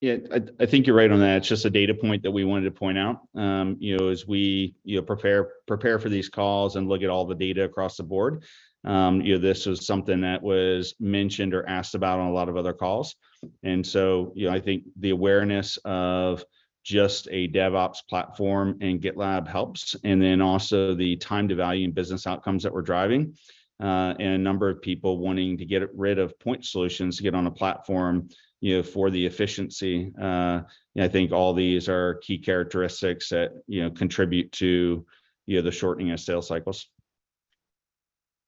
[SPEAKER 2] Yeah, I think you're right on that. It's just a data point that we wanted to point out. You know, as we you know prepare for these calls and look at all the data across the board, you know, this was something that was mentioned or asked about on a lot of other calls. You know, I think the awareness of just a DevOps platform and GitLab helps, and then also the time to value and business outcomes that we're driving, and a number of people wanting to get rid of point solutions to get on a platform, you know, for the efficiency. I think all these are key characteristics that you know contribute to you know the shortening of sales cycles.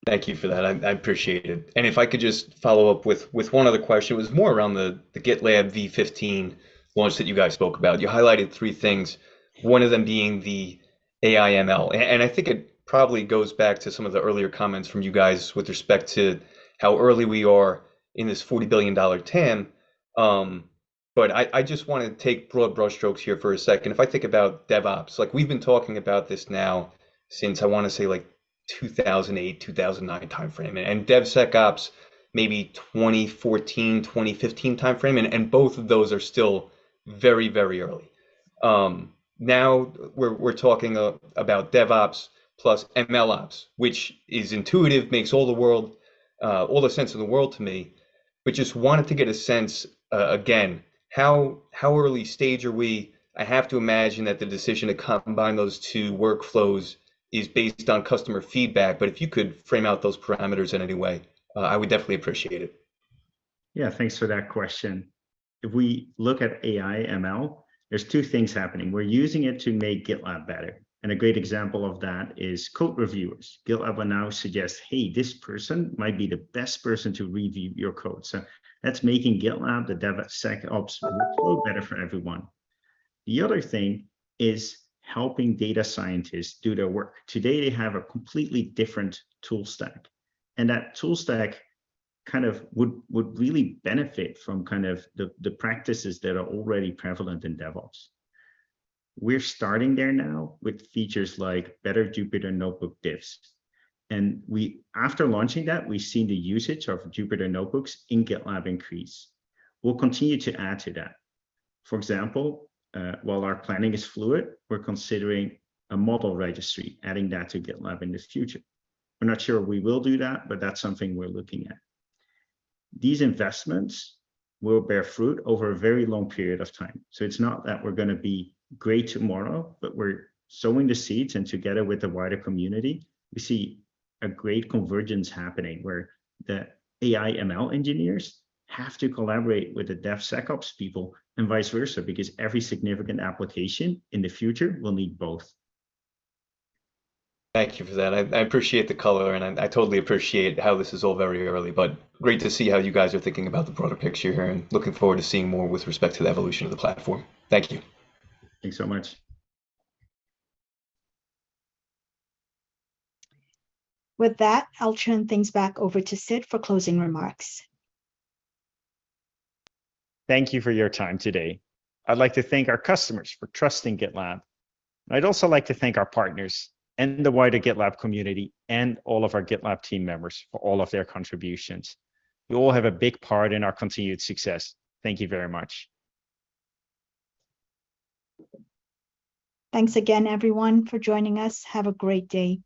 [SPEAKER 15] Thank you for that. I appreciate it. If I could just follow up with one other question. It was more around the GitLab 15 launch that you guys spoke about. You highlighted three things, one of them being the AI/ML. And I think it probably goes back to some of the earlier comments from you guys with respect to how early we are in this $40 billion TAM, but I just wanna take broad brush strokes here for a second. If I think about DevOps, like we've been talking about this now since I wanna say like 2008, 2009 timeframe, and DevSecOps maybe 2014, 2015 timeframe, and both of those are still very, very early. Now we're talking about DevOps plus MLOps, which is intuitive, makes all the sense in the world to me. Just wanted to get a sense again, how early stage are we? I have to imagine that the decision to combine those two workflows is based on customer feedback, but if you could frame out those parameters in any way, I would definitely appreciate it.
[SPEAKER 1] Yeah. Thanks for that question. If we look at AI/ML, there are two things happening. We're using it to make GitLab better, and a great example of that is code reviewers. GitLab will now suggest, "Hey, this person might be the best person to review your code." So that's making GitLab, the DevSecOps workflow better for everyone. The other thing is helping data scientists do their work. Today, they have a completely different tool stack, and that tool stack kind of would really benefit from kind of the practices that are already prevalent in DevOps. We're starting there now with features like better Jupyter Notebook diffs. After launching that, we've seen the usage of Jupyter Notebooks in GitLab increase. We'll continue to add to that. For example, while our planning is fluid, we're considering a model registry, adding that to GitLab in the future. We're not sure we will do that, but that's something we're looking at. These investments will bear fruit over a very long period of time. It's not that we're gonna be great tomorrow, but we're sowing the seeds, and together with the wider community, we see a great convergence happening where the AI/ML engineers have to collaborate with the DevSecOps people and vice versa, because every significant application in the future will need both.
[SPEAKER 15] Thank you for that. I appreciate the color, and I totally appreciate how this is all very early. Great to see how you guys are thinking about the broader picture here and looking forward to seeing more with respect to the evolution of the platform. Thank you.
[SPEAKER 2] Thanks so much.
[SPEAKER 3] With that, I'll turn things back over to Sid for closing remarks.
[SPEAKER 1] Thank you for your time today. I'd like to thank our customers for trusting GitLab, and I'd also like to thank our partners and the wider GitLab community and all of our GitLab team members for all of their contributions. You all have a big part in our continued success. Thank you very much.
[SPEAKER 3] Thanks again, everyone, for joining us. Have a great day.